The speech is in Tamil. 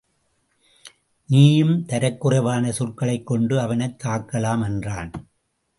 நீயும் தரக்குறைவான சொற்களைக் கொண்டு அவனைத் தாக்கலாம் என்றான்.